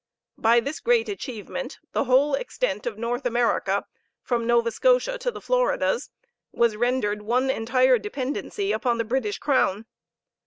By this great achievement, the whole extent of North America, from Nova Scotia to the Floridas, was rendered one entire dependency upon the British crown.